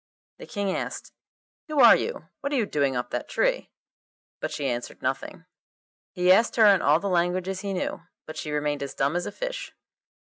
The King asked, 'Who are you? What are you doing up that tree?' But she answered nothing. He asked her in all the languages he knew, but she remained as dumb as a fish.